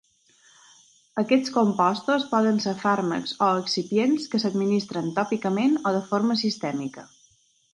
Aquests compostos poden ser fàrmacs o excipients que s'administren tòpicament o de forma sistèmica.